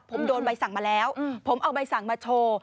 ผมโดนใบสั่งมาแล้วผมเอาใบสั่งมาโชว์